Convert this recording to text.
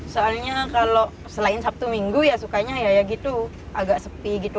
soalnya kalau selain sabtu minggu ya sukanya ya gitu agak sepi gitu